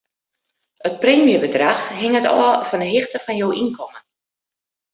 It preemjebedrach hinget ôf fan 'e hichte fan jo ynkommen.